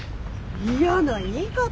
嫌な言い方。